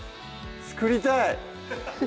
作りたい！